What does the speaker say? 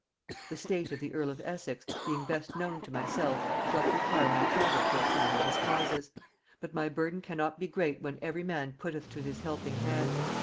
"The state of the earl of Essex, being best known to myself, doth require my travel for a time in his causes; but my burden cannot be great when every man putteth to his helping hand.